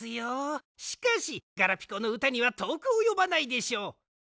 しかしガラピコのうたにはとおくおよばないでしょう。